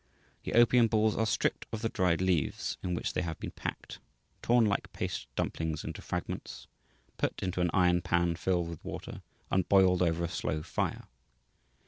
The opium balls are stripped of the dried leaves in which they have been packed, torn like paste dumplings into fragments, put into an iron pan filled with water and boiled over a slow fire.